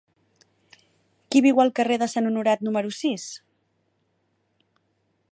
Qui viu al carrer de Sant Honorat número sis?